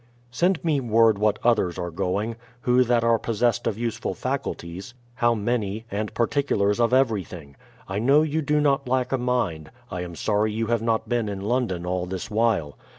Send me v\ ord what others arc going; who that are possessed of useful facuhies ; how many ; and particulars of everything. I know you do not lack a mind. I am sorry you have not been in London all this while.